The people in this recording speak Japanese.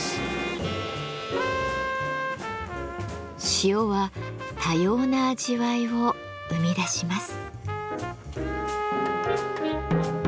塩は多様な味わいを生み出します。